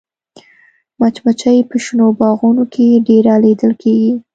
مچمچۍ په شنو باغونو کې ډېره لیدل کېږي